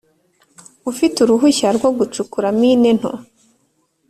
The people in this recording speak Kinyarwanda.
ufite uruhushya rwo gucukura mine nto?